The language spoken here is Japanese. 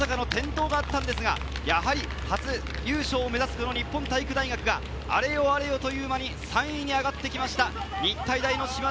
１区では保坂の転倒があったんですが、やっぱり初優勝を目指す日本体育大学があれよあれよという間に３位に上がってきました。